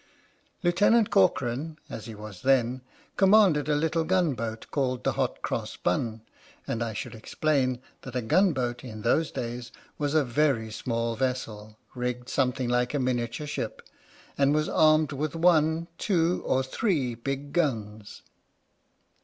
Lieutenant Corcoran (as he was then) commanded a little gun boat called the Hot Cross Bun, and I should explain that a gun boat, in those days, was a very small vessel, rigged some thing like a miniature ship, and was armed with one, two, or three big guns.